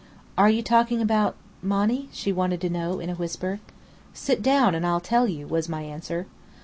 "Are you talking about Monny?" she wanted to know, in a whisper. "Sit down and I'll tell you," was my answer.